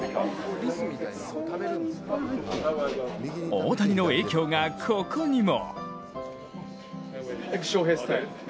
大谷の影響が、ここにも。